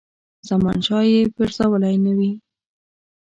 زمانشاه یې پرزولی نه وي.